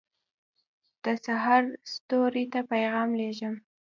دسحرستوري ته پیغام لېږم